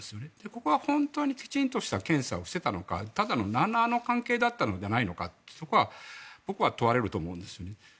ここは本当にきちんとした検査をしていたのかなあなあの関係だったのではないかが問われると思うんです。